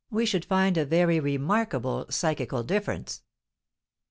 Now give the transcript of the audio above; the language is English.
we should find a very remarkable psychical difference.